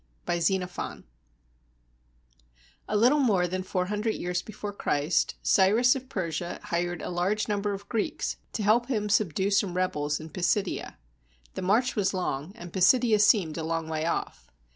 ] BY XENOPHON [A LITTLE more than four hundred years before Christ, Cyrus of Persia hired a large number of Greeks to help him sub due some rebels in Pisidia. The march was long, and Pisidia seemed a long way off.